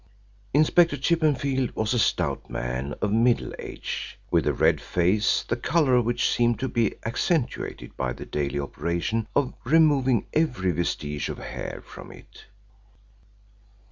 Inspector Chippenfield was a stout man of middle age, with a red face the colour of which seemed to be accentuated by the daily operation of removing every vestige of hair from it.